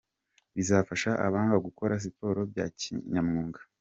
Bizafasha abana gukora siporo bya kinyamuga.